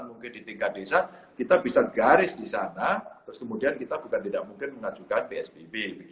mungkin di tingkat desa kita bisa garis di sana terus kemudian kita bukan tidak mungkin mengajukan psbb